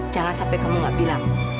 jangan sampai kamu gak bilang